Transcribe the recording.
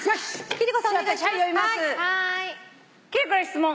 「貴理子に質問。